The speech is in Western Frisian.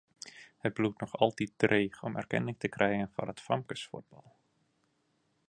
It bliuwt noch altyd dreech om erkenning te krijen foar it famkesfuotbal.